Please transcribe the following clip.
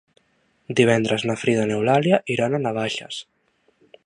Divendres na Frida i n'Eulàlia iran a Navaixes.